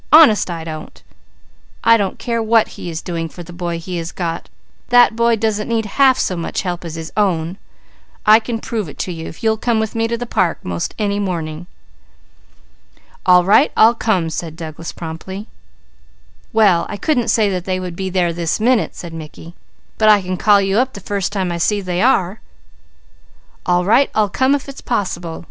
Honest, I don't! I don't care what he is doing for the boy he has got, that boy doesn't need help half so much as his own; I can prove it to you, if you'll come with me to the park 'most any morning." "All right, I'll come," said Douglas promptly. "Well I couldn't say that they would be there this minute," said Mickey, "but I can call you up the first time I see they are." "All right, I'll come, if it's possible.